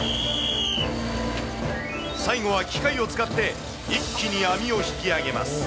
最後は機械を使って、一気に網を引き上げます。